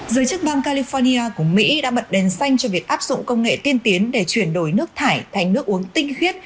giới chức bang california của mỹ đã bật đèn xanh cho việc áp dụng công nghệ tiên tiến để chuyển đổi nước thải thành nước uống tinh khiết